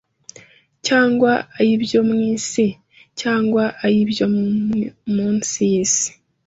cyangwa ay’ibyo mu isi, cyangwa ay’ibyo munsi y’isi.